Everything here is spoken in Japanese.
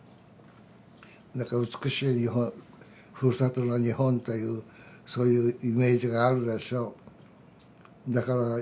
だから美しい日本ふるさとの日本というそういうイメージがあるでしょう。